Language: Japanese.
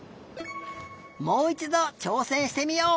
もういちどちょうせんしてみよう！